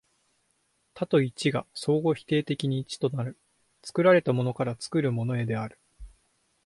多と一とが相互否定的に一となる、作られたものから作るものへである。